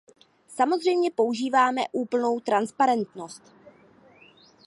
Samozřejmě používáme úplnou transparentnost.